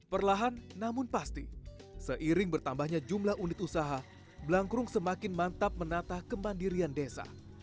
perlahan namun pasti seiring bertambahnya jumlah unit usaha blangkrung semakin mantap menatah kemandirian desa